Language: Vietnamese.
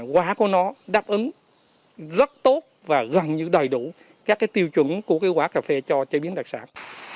quá của nó đáp ứng rất tốt và gần như đầy đủ các cái tiêu chuẩn của cái quả cà phê cho chế biến đặc sản